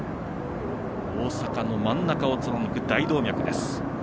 大阪の真ん中を貫く大動脈です。